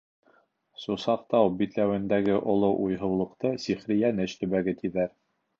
Сусаҡтау битләүендәге оло уйһыулыҡты сихри Йәнеш төбәге тиҙәр.